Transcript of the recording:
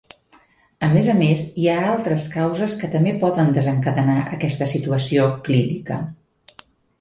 A més a més hi ha altres causes que també poden desencadenar aquesta situació clínica.